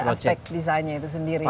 jadi ada aspek desainnya itu sendiri ya